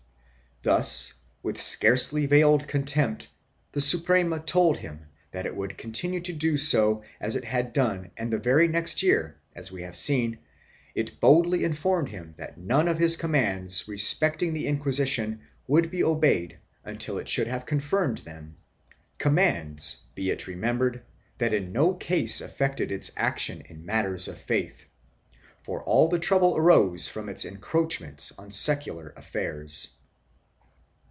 1 Thus with scarcely veiled contempt the Suprema told him that it would continue to do as it had done and the very next year, as we have seen, it boldly informed him that none of his commands respecting the Inquisition would be obeyed until it should have confirmed them — commands, be it remem bered, that in no case affected its action in matters of faith, for all the trouble arose from its encroachments on secular affairs.